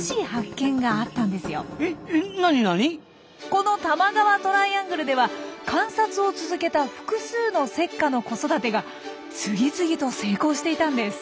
この多摩川トライアングルでは観察を続けた複数のセッカの子育てが次々と成功していたんです。